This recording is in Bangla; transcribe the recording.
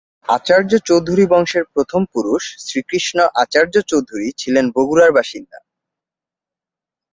আচার্য্য চৌধুরী বংশের প্রথম পুরুষ শ্রীকৃষ্ণ আচার্য্য চৌধুরী ছিলেন বগুড়ার বাসিন্দা।